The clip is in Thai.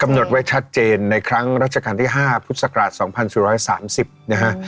หนดไว้ชัดเจนในครั้งรัชกาลที่๕พุทธศักราช๒๔๓๐นะฮะ